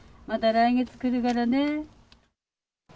また来月来るからね。